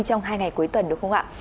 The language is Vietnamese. trong hai ngày cuối tuần được không ạ